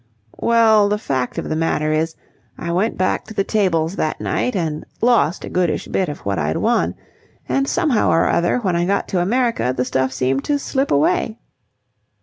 "Well, the fact of the matter is, I went back to the tables that night and lost a goodish bit of what I'd won. And, somehow or another, when I got to America, the stuff seemed to slip away."